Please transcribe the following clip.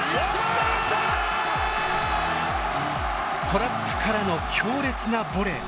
トラップからの強烈なボレー。